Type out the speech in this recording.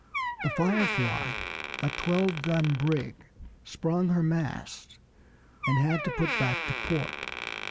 The Firefly, a twelve gun brig, sprung her masts, and had to put back to port.